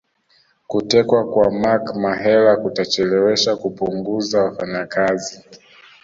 Kutekwa kwa Mark Mahela kutachelewesha kupunguza wafanyakazi